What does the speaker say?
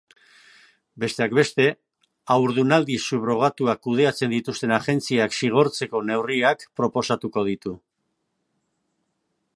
Besteak beste, haurdunaldi subrogatuak kudeatzen dituzten agentziak zigortzeko neurriak proposatu ditu.